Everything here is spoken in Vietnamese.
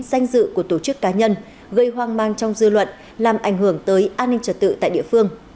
danh dự của tổ chức cá nhân gây hoang mang trong dư luận làm ảnh hưởng tới an ninh trật tự tại địa phương